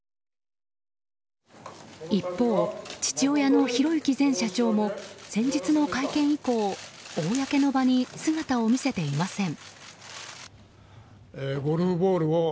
一方、父親の宏行前社長も先日の会見以降公の場に姿を見せていません。